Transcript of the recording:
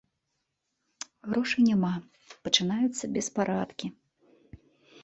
Грошай няма, пачынаюцца беспарадкі.